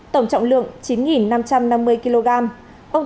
tổng trọng lượng chín năm trăm năm mươi kg